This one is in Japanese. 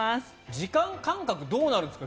時間感覚はどうなるんですか？